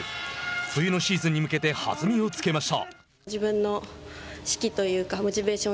冬のシーズンに向けて弾みをつけました。